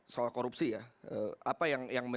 soal korupsi ya apa yang